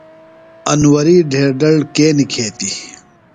انوری ڈھیر دڑ کے نِکھیتیۡ؟